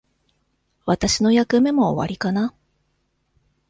私の役目も終わりかな。